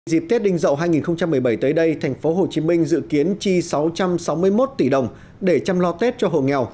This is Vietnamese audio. dịp tết đinh dậu hai nghìn một mươi bảy tới đây thành phố hồ chí minh dự kiến chi sáu trăm sáu mươi một tỷ đồng để chăm lo tết cho hồ nghèo